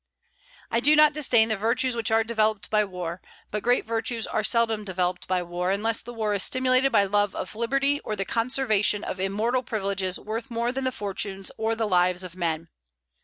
I do not disdain the virtues which are developed by war; but great virtues are seldom developed by war, unless the war is stimulated by love of liberty or the conservation of immortal privileges worth more than the fortunes or the lives of men.